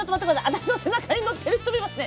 私の背中に乗ってる人がいますね。